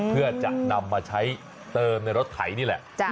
เพื่อจะนำมาใช้เติมในรถไถนี่แหละ